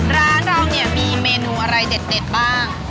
ร้านเราเนี่ยมีเมนูอะไรเด็ดบ้าง